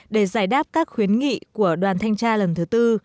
để giải đáp các khuyến nghị của đoàn thanh tra lần thứ tư